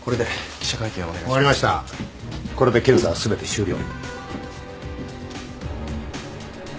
これで検査は全て終了。